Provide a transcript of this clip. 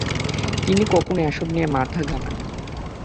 তিনি কখনো এসব নিয়ে মাথা ঘামাননি।